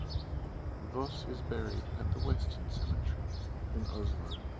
Voss is buried at the Western Cemetery in Oslo.